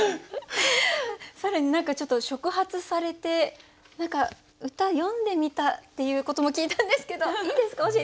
更に何かちょっと触発されて何か歌詠んでみたっていうことも聞いたんですけどいいですか？